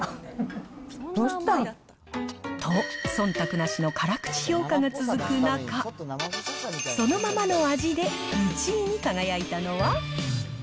と、そんたくなしの辛口評価が続く中、そのままの味で１位に輝いたのは。